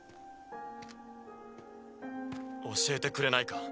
教えてくれないか？